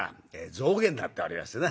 「象牙になっておりましてな」。